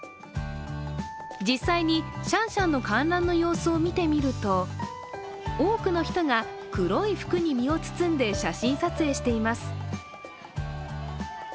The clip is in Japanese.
実際にシャンシャンの観覧の様子を見てみると多くの人が黒い服に身を包んで写真撮影をしています。